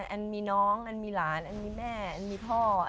อันมีน้องอันมีหลานอันมีแม่อันมีพ่อ